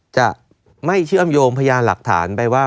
จะไม่เชื่อมโยงพยานหลักฐานไปว่า